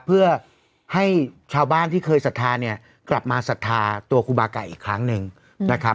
เพื่อให้ชาวบ้านที่เคยศรัทธาเนี่ยกลับมาศรัทธาตัวครูบาไก่อีกครั้งหนึ่งนะครับ